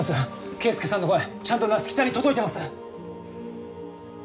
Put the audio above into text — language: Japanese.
圭介さんの声ちゃんと夏希さんに届いてます。